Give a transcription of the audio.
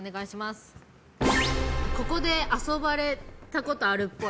ここで遊ばれたことあるっぽい。